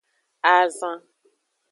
Azan.